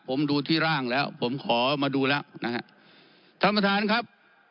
ผมดูที่ร่างแล้วผมขอมาดูแล้วนะฮะท่านประธานครับ